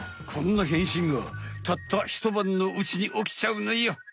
こんな変身がたったひとばんのうちにおきちゃうのよ！